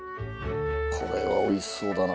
これはおいしそうだな。